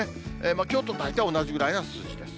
きょうと大体同じくらいな数字です。